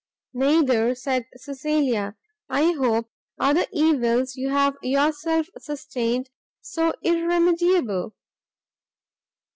"Neither," said Cecilia, "I hope, are the evils you have yourself sustained so irremediable?"